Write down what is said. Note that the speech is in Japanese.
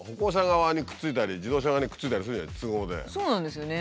そうなんですよね。